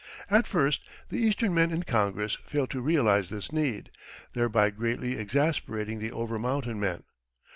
At first the Eastern men in Congress failed to realize this need, thereby greatly exasperating the over mountain men.